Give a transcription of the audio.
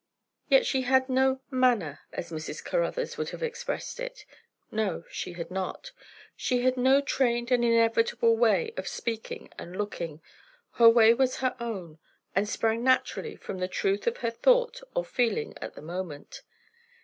Yet she had no "manner," as Mrs. Caruthers would have expressed it. No, she had not. She had no trained and inevitable way of speaking and looking; her way was her own, and sprang naturally from the truth of her thought or feeling at the moment.